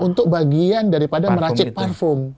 untuk bagian daripada meracik parfum